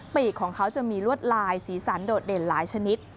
ปีกของเขาจะมีลวดลายสีสันโดดเด่นหลายชนิด